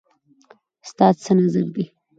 ستا څه نظر دی